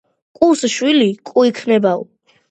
კუს შვილი კუ იქნებაო